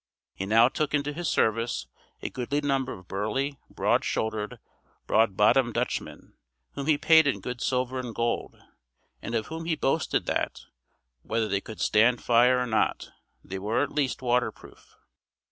He now took into his service a goodly number of burly, broad shouldered, broad bottomed Dutchmen, whom he paid in good silver and gold, and of whom he boasted that, whether they could stand fire or not, they were at least water proof.